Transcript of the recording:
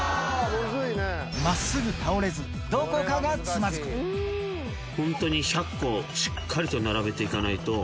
まっすぐ倒れず、どこかがつ本当に１００個、しっかり並べていかないと。